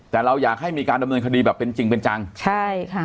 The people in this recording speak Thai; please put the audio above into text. แต่เราอยากให้มีการดำเนินคดีแบบเป็นจริงเป็นจังใช่ค่ะ